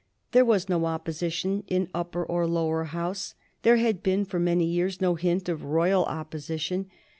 There was no opposition in Upper or Lower House; there had been for many years no hint of royal opposition.